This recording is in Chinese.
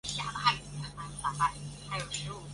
凤鸣古冢的历史年代为宋代。